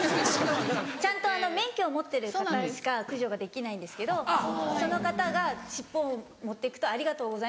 ちゃんと免許を持ってる方しか駆除ができないんですけどその方が尻尾を持って行くと「ありがとうございます」って。